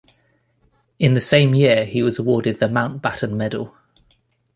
In the same year he was awarded the Mountbatten Medal.